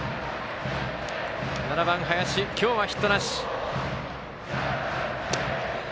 ７番、林、今日はヒットなし。